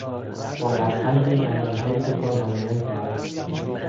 با لبخندی دندانهای خود را نمایان کرد.